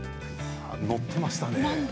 乗っていましたね。